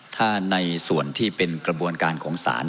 ถ้าในส่วนที่เป็นกระบวนการของศาล